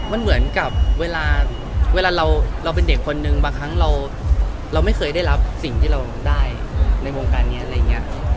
มันเหมือนกับเวลาเราเป็นเด็กคนนึงบางครั้งเราไม่เคยได้รับสิ่งที่เราได้ในวงการนี้อะไรอย่างนี้